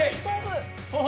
豆腐。